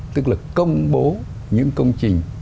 tức là công bố những công trình